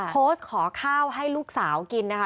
โพสต์ขอข้าวให้ลูกสาวกินนะคะ